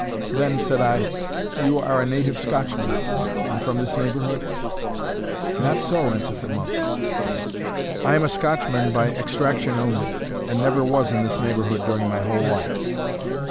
"Then," said I, "you are a native Scotchman, and from this neighbourhood?" "Not so," answered the monk; "I am a Scotchman by extraction only, and never was in this neighbourhood during my whole life."